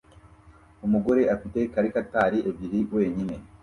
Umugore afite karikatari ebyiri wenyine